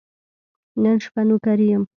نن شپه نوکري یم .